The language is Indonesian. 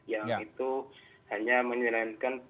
yang itu hanya menyelengkan